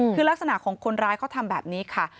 คือลักษณะของคนร้ายเขาทำแบบนี้ค่ะ